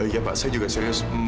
ya pak saya juga serius